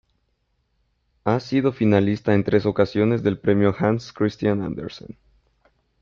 Ha sido finalista en tres ocasiones del Premio Hans Christian Andersen.